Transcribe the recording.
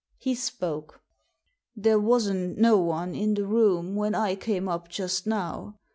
He spoke. I "There wasn't no one in the room when I came up just now.